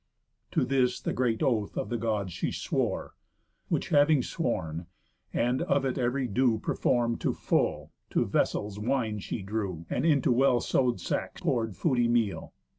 To this the great oath of the Gods she swore; Which having sworn, and of it every due Perform'd to full, to vessels wine she drew, And into well sew'd sacks pour'd foody meal.